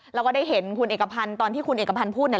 แล้วก็ได้เห็นคุณเอกพันธ์ตอนที่คุณเอกพันธ์พูดเนี่ย